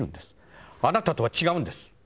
「あなたとは違うんです！」。